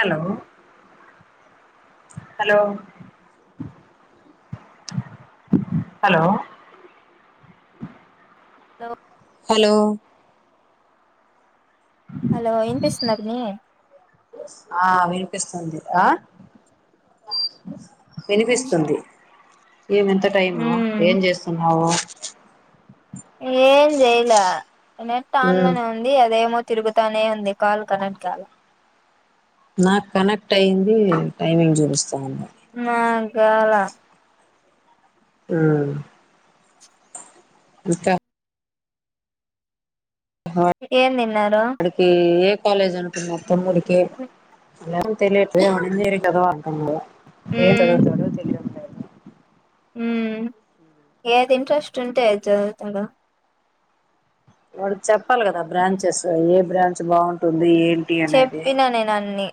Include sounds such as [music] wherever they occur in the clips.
Hollow hello hello లో hello hello ఇనిపిస్తుందా పిన్ని అ ఆ వినిపిస్తుంది ఆ వినిపిస్తుంది ఏమి ఇంత టైము ఉమ్ ఏం చేస్తున్నావు ఏం చేయలే నెట్ మ్మ్ ఆన్లనే ఉం ది అదేమో తిరుగుతానే ఉంది కాల్ కనెక్ట్ కాల నాకు కనెక్ట్ అయింది టైమింగ్ చూపిస్తా ఉంది మాక్ గాలా ఆ ఇంకా ఏం దిన్నారు కి ఏ కాలేజ్ అనుకున్నారు తముడికి ఎలాగు తెలియట్ లేదు ఇంజినీరింగ్ చదవ అంటుండు ఏం ఉమ్ చదు ఊ ఏది ఇంట్రెస్ట్ ఉంటే అది చదువుతాడు వాడు చెప్పాలి కదా బ్రాంచెస్ ఏ బ్రాంచ్ బాగుంటుంది ఏం చెప్పిన నేను అన్ని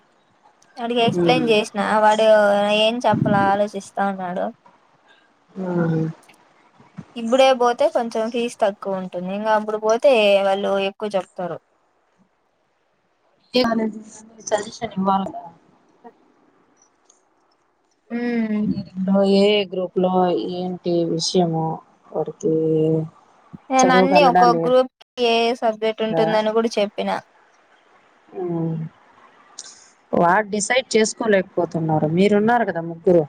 అడికి మ్మ్ ఎక్స్ప్లెయిన్ చేష్ ఆ వాడు ఏం చెప్పల ఆలోచిస్తా ఉన్నాడు ఆ ఇప్పుడే పోతే కొంచెం ఫీజ్ తక్కువ ఉంటుంది ఇంకా అప్పుడు పోతే ఏ వాళ్ళు ఎక్కువ చెప్తరు. ఏ [unintelligible] సజెషన్ ఇవ్వాల్ గదా ఆ ఊమ్ ఇప్పుడు ఏ ఏ గ్రూప్ లో ఏంటి విషయము వరికి నేను అన్ని ఒక గ్రూప్ కి ఏ ఏ సబ్జెక్ట్ ఉంటుందని కూడా చెప్పినా ఆ వాడ్ డిసైడ్ చేసుకోలేకపోతున్నారు మీరున్నారు కదా ముగ్గురు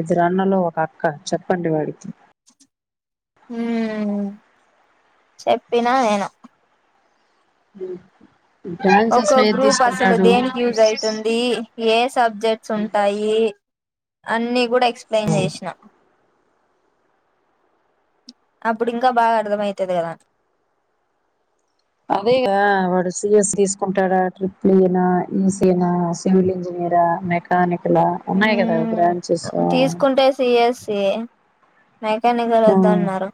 ఇద్దరు అన్నలు ఒక అక్క చెప్పండి వాడికి హ్మ్ చెప్పినా నేను హ్మ్ ఒక గ్రూప్ అసలు దేనికి యూజ్ అవుతుంది ఏ సబ్జెక్ట్స్ ఉంటాయి అన్నీ కూడా ఎక్స్ప్లెయిన్ చేసినా అప్పుడు ఇంకా బాగా అర్థమయితది కదా అని అదే కదా వాడు సి యస్ తీసుకుంటాడా ట్రిప్లిన ఈ సీ ఈ నా సివిల్ ఇంజనీరా మెకానికల్ ఉన్నాయి కదా బ్రాంచెస్ ఏ సి ఎ స్సి ఏ మెకానిక లు వద్దు అన్నారు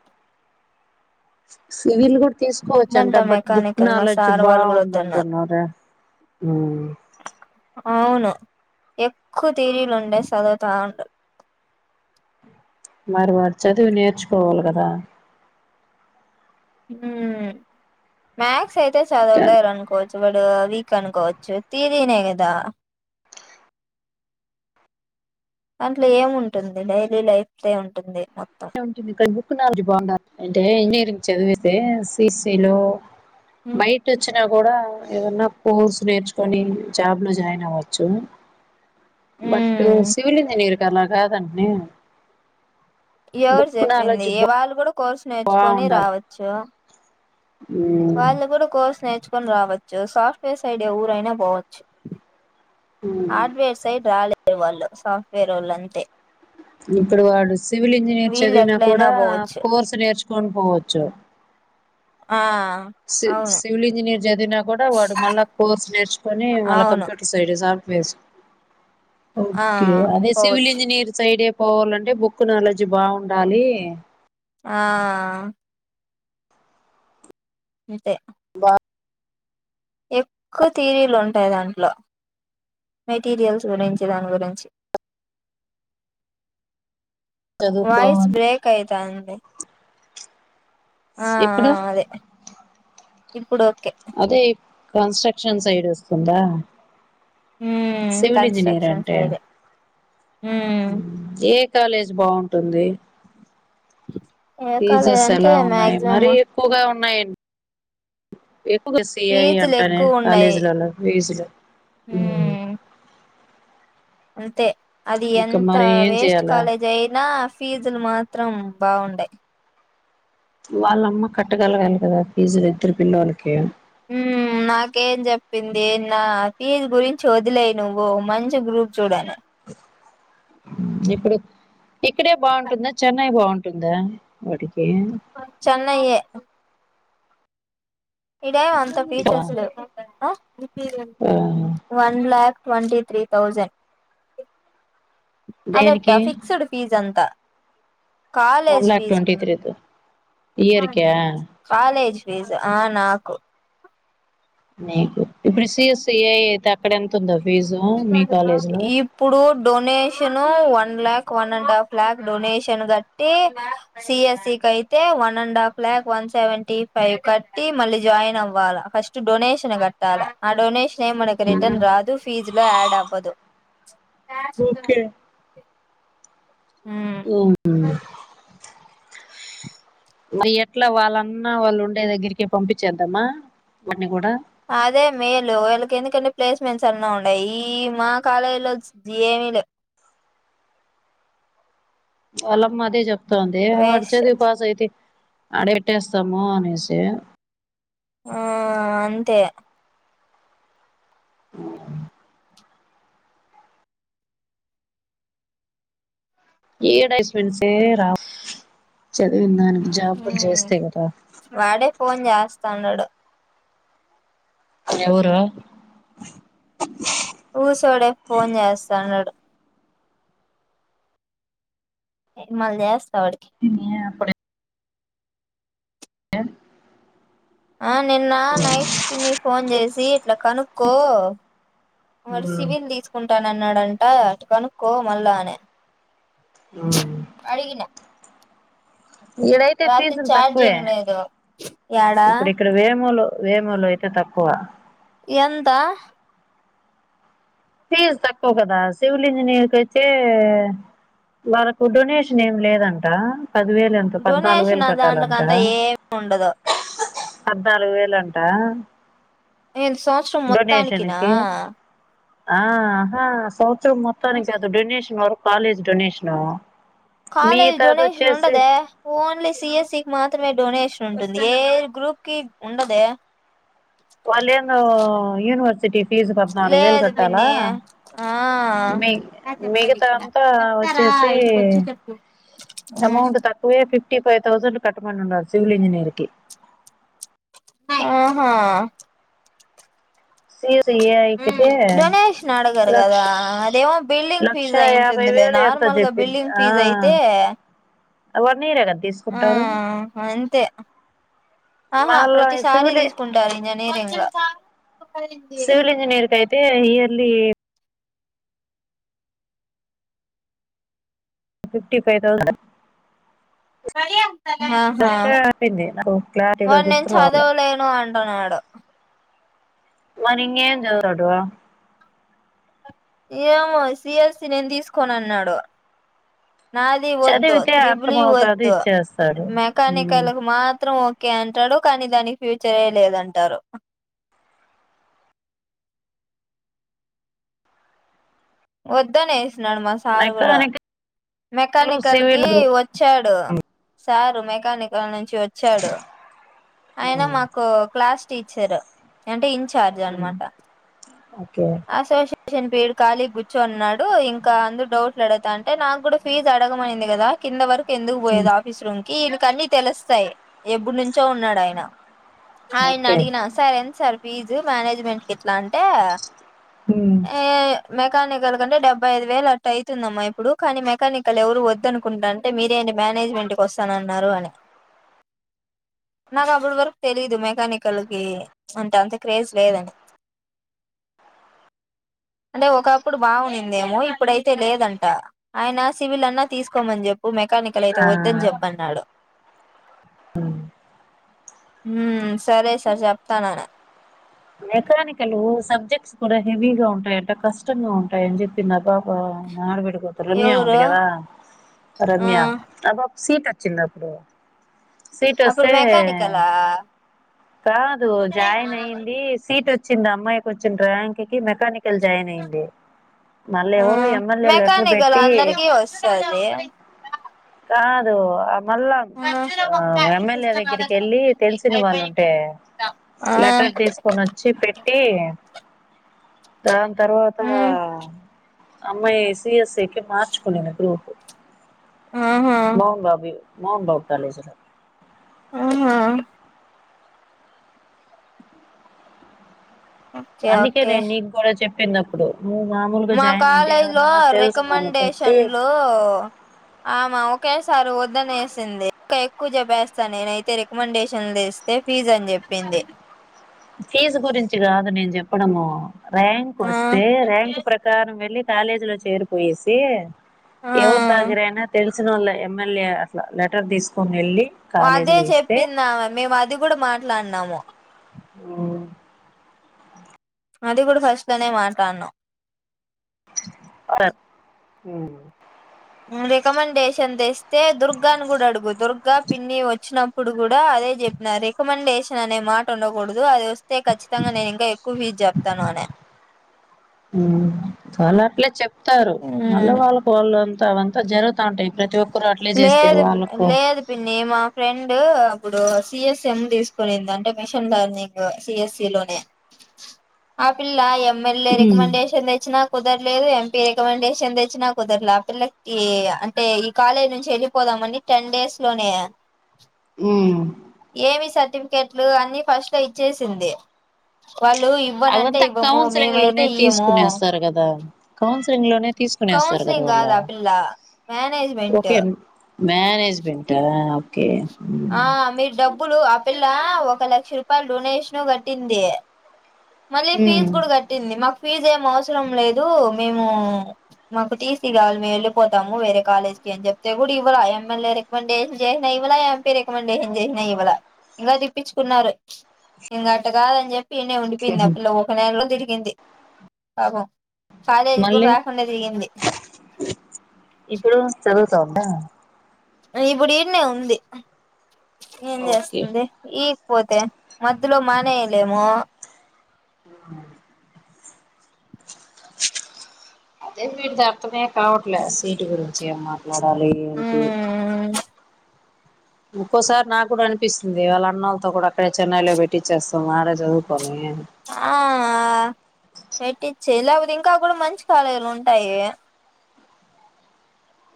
సివిల్ కూడ్ వద్దంట తీసుకోవచ్చంట బట్ బుక్ మెకానికల్ మా నాలెడ్జ్ సార్ వాళ్ళు కూడా వద్దన్నారు బాగుందంటున్నారే అవును ఎక్కువ తీరీలు ఉండే చదువుతా ఉండు మరి వాడు చదివి నేర్చుకోవాలి కదా హ్మ్ మక్స్ అయితే చదవలేరు అనకూ కోవచ్చు వడు వీక్ అనుకోవచ్చు తీరినే కదా అంట్లో ఏముంటుంది డైలీ లైఫ్ తె ఉంటుంది మొత్తం ది [inaudible] బుక్ నాలెడ్జ్ బాగుండ [inaudible] లి అంటే ఇంజనీరింగ్ చదివితే సి సీ లో ఉమ్ బైట చ్చ అయినా కూడా ఏదన్నా కోర్సు నేర్చుకొని జాబ్లో జాయిన్ అవ్వచ్చు. బట్ సివిల్ ఇంజనీర్ అలా కాదంట్నె ఎవరు నాలెడ్జ్ చెప్పింది వాళ్ళు కూడా కోర్సు నేర్చుకోని బాగుండాలి రావచ్చు వాళ్ళు కూడా కోర్స్ నేర్చుకొని రావచ్చు సాఫ్ట్వేర్స్ ఐడియా ఊరైనా పోవచ్చు. ఉమ్ హార్డ్వేర్స్ సైడ్ రాలేరు వాళ్ళు సాఫ్ట్వేర్ వాళ్ళుంతే ఇప్పుడు వాడు సివిల్ ఇంజనీర్ వీళ్ళు చదివినా ఎట్లయినా కూడా పోవచ్చు కోర్సు నేర్చుకొని పోవచ్చు. ఆ సి అవును సివిల్ ఇంజనీర్ చదివినా కూడా వాడు మళ్ళా కోర్స్ నేర్చుకొని మళ్ళా అవును కంప్యూట్ సైడే సాఫ్టవేర్స్ ఆ అదే సివిల్ పోవచ్చు ఎంజర్ సైడ్ ఏ పోవాలంటే బుక్ నాలెడ్జ్ బాగుండాలి ఆ అంతే బా ఎక్కువ తీరీలు ఉంటాయి దాంట్లో మెటీరియల్స్ గురించి దాని గురించి వయిస్ చదువుకోవాలి బ్రేకయితంది ఆ ఇప్పుడు ఆ అదే ఇప్పుడోకే అదే ఇప్ కన్స్ట్రక్షన్ సైడ్ వస్తుందా ఉమ్ సివిల్ కన్స్ట్రక్షన్ ఇంజినీర్ంటే సైడే ఉమ్ ఏ కాలేజ్ బాగుంటుంది ఏ కాలేజ్ టీచర్స్ అంటే ఎలా ఉన్నయి మరి మాక్సిమం క్కువగా ఉన్నాయం ఎక్కువగా సిఐ ఫీజులు అంటానే ఎక్కువ ఉండయి కాలేజీలోలు ఫీజులు ఉమ్ అంతే అది ఇంకా ఎంత మరి ఏం వేస్ట్ చెయాలా కాలేజ్ అయినా ఫీజులు మాత్రం బాగుండయి వాళ్ళమ్మ కట్టగలగాలి కదా ఫీజులు ఇద్దరు పిల్లలకి ఉమ్ నాకేం చెప్పింది నా ఫీజ్ గురించి వదిలేయి నువ్వు మంచి గ్రూప్చూడని ఇప్పుడు ఇక్కడే బాగుంటుందా చెన్నై బాగుంటుందా వాటికి ఆ చెన్నై ఏ ఇదేం అంత ఆ ఫీచర్స్లులెవ్ ఆ వన్లక్ ట్వంటీ త్రీ తౌసండ్ అదట్ట దేనికి fixed ఫీజంతా one college lock fee twenty కొన్ త్రీ ఇయర్ కా కాలేజ్ ఫీజ్ ఆ నాకు నీకు ఇప్పుడు సిఎస్ ఏఐ అయితే అక్కడ ఎంతతుందో ఫీజు మీ కాలేజీ లో ఇప్పుడు donation one luck one and half lock donation కట్టి సిఎస్సి కయితే one and half lock one seventy five కట్టి మళ్ళీ జాయిన్ అవ్వాలా ఫస్ట్ జు డొనేషన్ కట్ టాల అ డొనేషనే మనకు రిటర్న్ రాదు ఫీజ్లో యాడ్ అవ్వదు ఓకే ఉమ్ మరి ఎట్ల వాళ్ళన్న వాళ్ళు ఉండే దగ్గరికి పంపించేద్దమ్మా వాని కూడా అదే మేలు వీళ్ళకి ఎందుకంటే ప్లేస్మెంట్స్ అన్న ఉన్నయి ఈ మా కాలేజీలోచ్ ఏమి లెవ్ వళ్లమ్మ అదే చెప్తుంది వేస్ట్ వాడ్చదివ్ పాస్ అయితే అడెట్టేస్తము అనేసి ఆ అంతే ఉమ్ ఏడేస్మెంసే రవు చదివిన దానికి జాబులు చేస్తే కదా వాడే ఫోన్ చేస్తాన్నడు ఎవరు గుసోడే ఫోన్ చేస్తాన్నడు ఇగ్ మల్ జెస్త అడికి తినియప్పుడే ఎ ఆ నిన్న నైట్ పిన్ని ఫోన్ చేసి ఇట్ల కనుక్కో వాడు సివిల్ తీసుకుంటనన్నాడంట కనుక్కో మళ్ళా అనే ఆ అడిగిన ఇడైతే రాత్రి ఫీజులు తక్కువే ఛార్జింగ్ లేదు యాడా ఇప్డే ఇక్కడ వేమోలు వేమోలు అయితే తక్కువ ఎంత ఫీజ్ తక్కువ కదా సివిల్ ఇంజనీర్ కి అయితే వాళ్ళకు డొనేషన్ ఏం లేదంట పది వేలు ఎంత పద్నాలుగు వేలు డొనేషన్ దాంట్లోకి కట్టాలంట అంతా ఏమి ఉండదు పద్నాలుగు వేలు అంటా ఏంది సంవత్సరం మొత్తానికినా కి ఆహా సంవత్సరం మొత్తానికి కాదు డొనేషన్ వరకు కాలేజు డొనేషన్ కాలేజ్ డొనేషన్ ఉండదే ఓన్లీ సిఎస్ఈ కి మాత్రమే డొనేషన్ ఉంటుంది ఏ గ్రూప్ కి ఉండదే వాళ్ళేందొ యూనివర్ సిటీ ఫీజు పద్నాలుగు వేలు లేదు కట్టాలా పిన్ని ఆ మి మిగత తా వచ్చేసి ఎమౌంట్ తక్ పోయే ఫిఫ్టీ ఫైవ్ తౌసండ్ కట్టమని ఉండారు సివిల్ ఇజనీర్ కి ఆహా సి ఎస్ ఏ కి యితే డొనేషన్ అడగరు కదా లక్ష్ అదేమో బిల్డింగ్ ఫీజ్ లక్షయాభై అయింటుందిలే వేలు నార్మల్ చెప్పంది గా బిల్డింగ్ ఆ ఫీజ్ అయితే వన్ ఇయర్ కద్ ఆ అంతే ఆహా మళ్ళా ప్రతిసారి సివిల్ తీసుకుంటారు ఇంజనీరింగ్ లో సివిల్ ఇంజనీర్ కయితే ఇయర్లీ ఫిఫ్టీ ఫైవ్ థౌసండ్ ఆహా లక్ష చెప్పింది నాకు క్లారిటీగా వాడు నేను గుర్తు రావట్లే చదవలేను అంటున్నాడు మరింగ్ ఏం చదతాడు ఏమో సిఎస్ఈ నేను తీసుకోను అన్నాడు నాది వద్దు చదివితే త్రిబులి అర్థమవుతాది వద్దు ఇచ్చేస్తాడు మెకానికల్లకు మాత్రం ఒ ఓకే అంటాడు కానీ దానికి ఫ్యూచరే లేదంటారు వద్దనే ఏసినడు మా సారు కూడా మెకానికల్ మెకానికల్ కి సివిల్ వద్ వచ్చాడు సారు మెకానికల్ నుంచి వచ్ చ్చాడు ఆయన మాకు క్లాస్ టీచర్ అంటే ఇంచ్ ఉ ఒకే అసోసియేషన్ వీడు ఖాలీగ గుచ్చు ఉన్నాడు డు ఇంకా అందు డౌట్లు అడతా అంటే నాకు కూడా ఫీజ్ అడగమనింది కదా కింద వర ఎందుకు పోయేది ఆఫీస్ రూమ్ కి వీళ్ళక్ అన్ని తెలుస్తాయి ఎప్పుడు నుంచి చో ఉన్నాడు ఆయన ఆయన ఓకే అడిగిన సరేంది సార్ ఫీజు మేనేజ్మెంట్ కి ఇట్ల అంటే ఉమ్ ఏ మెకానికల్ కంటే డెబ్బై ఐదు వేలు అట్టు అవుతుందమ్మా ఇప్పుడు కానీ మెకానికల్ ఎవరు వద్దనుకుంటాను అంటే మీరేంటి మేనేజ్మెంట్ కి వస్తానన్నారు అని నాకు అప్పడవరకు తెలీదు మెకానికల్ కి అంత అంత క్రేజ్ లేదని అంటే ఒకప్పుడు బాగునిందేమో ఇప్పుడైతే లేదంట అయిన సివిల్ అన్నా తీసుకోమని చెప్పు మెకానికల్ అయితే ఆ వద్దని చెప్ప అన్నాడు ఊ ఉమ్ సరే సార్ చెప్తానన మెకానికలు సబ్జెక్ట్స్ కూడా హెవీగా ఉంటాయంట కష్టంగా ఉంటాయని చెప్ చిన్న పాపా మా ఆడబిడ్డ కూతురు రమ్య ఎవరు ఉంది కదా ఆ రమ్య ఆ పాపకి సీట్ వచ్చింది అప్పుడు సీట్ అప్పుడు వొస్తే మెకానికలా కాదు జాయిన్ అయ్యింది సీట్ వచ్చింది అ అమ్మాయికొచ్చిన ర్యాంక్ కి మెకానికల్ జాయిన్ అయింది ఆ మల్లేవో M L A letter mechanical పెట్టి అందరికీ వస్తది కాదు అప్ మళ్ళా ఆ ఎమ్మెల్యే దగ్గరికెళ్ళి తెలిసిన వాళ్ళు ఉంటే అయిపోయి ఆ కొనొచ్చి పెట్టి దాని తర్వాత ఉమ్ ఆ అమ్మాయ్ సి ఎస్ ఎ కి మార్చుకునింది గ్రూపు ఆహా బావుందా వ్యూ మోహన్బాబు కాలేజీ లో ఆహా ఓకే అందుకే ఓకే నేన్ నీకు కూడా చెప్పింది అప్పుడు నువ్ మామూలుగా మా జాయిన్ అయింటే కాలేజ్ లో ఎవర్నన్నా తెలుసి నోళ్ళని పట్టి రికమెండేషన్లు ఆమె ఒకేసారి వద్దనేసింది ఇంకా ఎక్కువ చెపేస్తాను నేనయితే రికమెండేషన్ లు తెస్ దే ఫీజ్ అని చెప్పింది. ఫీజు గురించి కాదు నేను చెప్పడము ర్యాంక్ ఆ వస్తే ర్యాంక్ ప్రకారం వెళ్ళి కాలేజ్ లో చేరిపోయేసి ఆ ఎవరు తగ్గరైనా తెలుసు సునోళ్ళ ఎమ్మెల్యే అట్లా లెటర్ తీసుకొని ఎళ్ళి అదే చెప్పిందామే మేము అది కూడా మాట్లాడినాము. ఊ అది కూడా ఫస్ట్ లోనే మాట్లాడ్నాం ఉ రికమెండేషన్ తెస్తే దుర్గాని కూడా అడుగు దుర్గా పిన్ని వచ్చినప్ ప్పుడు కూడా అదే చెప్పిన రికమెండేషన్ అనే మాట ఉండకూడదు అది వస్తే ఖచ్చితంగా నేను ఇంకా ఎక్కువ ఫీజ్ చెప్ ప్తాను అనె ఊమ్ వాళ్ అట్లే చెప్తారు మళ్ళ వాళ్ళు ఫోన్ లో అంత అవంతా జరుగు తాంటాయ్ ప్రతి ఒక్కరు అట్లే చేస్తే లేదు వాళ్ళకు లేదు పిన్ని మా ఫ్రెండ్ అప్పుడు సి ఎస్సి ఎం తీసుకునింది అంటే మిషన్ లెర్నింగ్ సి ఎస్సి లోనే ఆపిల్లా ఎమ్మెల్ఏ రెకమండేషన్ తెచ్చినా కుదరలేదు ఎం పీ రికమెండేషన్ తెచ్చిన కుదరలే ఆ పిల్లకి టే ఈ కాలేజ్ నుంచి ఎళ్ళిపోదామని టెన్ డేస్ లోనే ఊ ఏమి సర్టిఫికెట్లు అన్ని ఫస్ట్ లో ఇచ్చేసింది వాళ్ళు ఇవ్వనంటే అవంతా ఇవ్వము కౌన్సిలింగ్ మేమైతే లోనే ఇయ్యము తీసుకునేస్తారు కదా కౌన్సిలింగ్ లోనే తీసుకునేస్తారు కదా కౌన్సిలింగ్ కాదు వాళ్ళు ఆ పిల్ల మేనేజ్మెంట్ ఓకే మేనేజ్మెంట్ ఆ కే ఆ మీరు డబ్బులు ఆ పిల్ల ఒక లక్ష రూపాయల డొనేషను కట్టింది మళ్ళీ ఫీజు కూడా ఉమ్ కట్టింది మాకు ఫీజ్ ఏం అవసరం లేదు మేము మాకు టీసీ కావాలి మేము ఎళ్ళిపోతాము వేరే కాలేజ్కి అని చెప్తే కూడా ఇవ్వలే M L A recommendation చేసిన ఇవ్వలే పి రికమండేషన్ చేసినా ఇవ్వల ఇంకా తిప్పించుకున్నారు ఇంక అట్ట కాదని చెప్ ఇనే ఉండిపోయింది ఆ పిల్ల ఒక నెలలో తిరిగింది పాపం కాలేజ్ మళ్ళీ గురాకుండా జరిగింది ఇప్పుడు చదువుతా ఉందా ఇప్పుడు ఇన్నెవుంది ఏం ఓకే చేస్తుంది ఈకపోతే మద్దులో మానేయలేము ఆ అదే వీడి దర్థమే కావట్లే సీట్ గురుంచి అమ్మ లాడాలి ఏంటి మ్మ్ ఒక్కోసారి నాకు కూడా అనిపిస్తుంది వాళ్ళ అన్నళ్ళతో కూడా అక్కడే చెన్నైలో పెట్టిచ్చేస్తాం ఆడే చదువుకోవాలి ఆ పెట్టించ లేకపోతే ఇంకా కూడా మంచి కాలేజీలు ఉంటాయి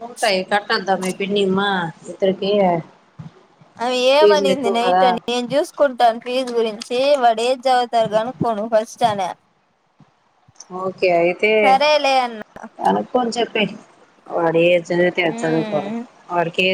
ఉంటయి కట్టంంతామే పిన్నీమా ఇంతరుకేయ అవి ఏమనింది నైట్ అని ఏం చూస్ కుంటను ఫీజ్ గురించి వాడే జదేవుతరుగానుక్కను ఫస్ట్ అనే ఓకే అయితే సరేలే అన్న కనుకొని చెప్ప వాడే చదివితే చుదువుకొని మ్మ్ వాడికేది